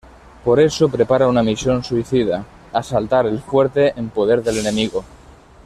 Por eso prepara una misión suicida: asaltar el fuerte en poder del enemigo.